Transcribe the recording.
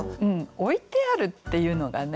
「置いてある」っていうのがね